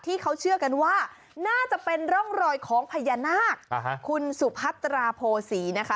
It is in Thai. ที่เขาเชื่อกันว่าน่าจะเป็นร่องรอยของพญานาคคุณสุพัตราโภษีนะคะ